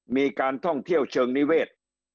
มีการท่องเที่ยวเชิงนิเวศ